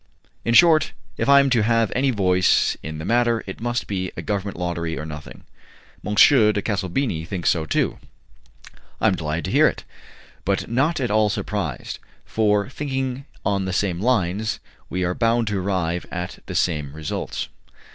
In short, if I am to have any voice in the matter, it must be a Government lottery or nothing." "M. de Calsabigi thinks so, too." "I am delighted to hear it, but not at all surprised; for, thinking on the same lines, we are bound to arrive at the same results."